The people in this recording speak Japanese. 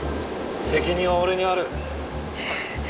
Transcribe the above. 責任は俺にある。